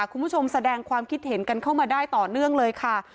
คุณผู้ชมแสดงความคิดเห็นกันเข้ามาได้ต่อเนื่องเลยค่ะ